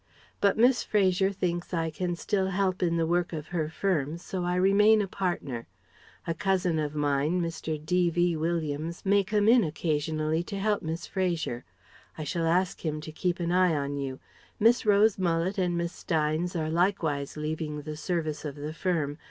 But Miss Fraser thinks I can still help in the work of her firm, so I remain a partner. A cousin of mine, Mr. D.V. Williams, may come in occasionally to help Miss Fraser. I shall ask him to keep an eye on you. Miss Rose Mullet and Miss Steynes are likewise leaving the service of the firm.